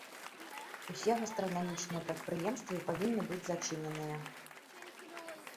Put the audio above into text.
Усе гастранамічныя прадпрыемствы павінны быць зачыненыя.